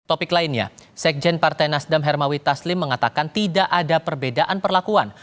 topik lainnya sekjen partai nasdem hermawi taslim mengatakan tidak ada perbedaan perlakuan